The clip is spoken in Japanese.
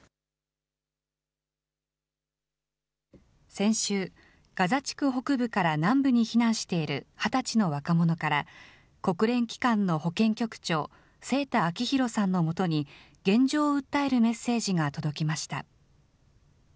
先週、ガザ地区北部から南部に避難している２０歳の若者から、国連機関の保健局長、清田明宏さんのもとに、現状を訴えるメッセージが届きました。